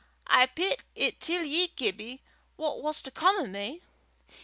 I pit it till ye, Gibbie what was to come o' me?